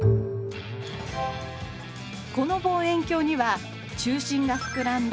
この望遠鏡には中心が膨らんだ凸